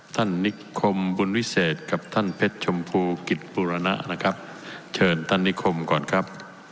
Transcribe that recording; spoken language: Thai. นิคมบุญวิเศษกับท่านเพชรชมพูกิจบุรณะนะครับเชิญท่านนิคมก่อนครับ